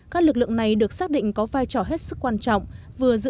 các lực lượng này được xác định có vai trò hết sức quan trọng